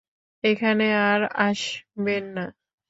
এখানে আর আসবেন না।